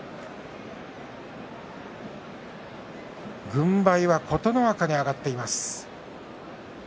軍配は琴ノ若に上がっています。